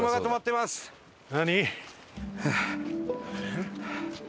何？